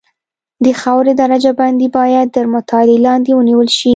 د خاورې درجه بندي باید تر مطالعې لاندې ونیول شي